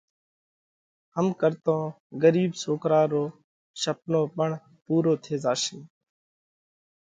هم ڪرتون ڳرِيٻ سوڪرا رو شپنو پڻ پُورو ٿي زاشي۔